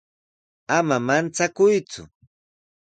Ama manchakuyku.